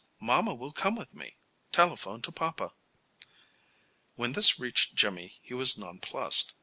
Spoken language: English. Mama will come with me. Telephone to papa." When this reached Jimmy he was nonplused.